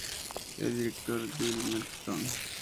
El director es Bill McIntosh.